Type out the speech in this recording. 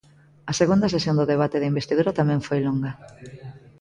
A segunda sesión do debate de investidura tamén foi longa.